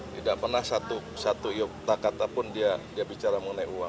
tidak pernah satu juta kata pun dia bicara mengenai uang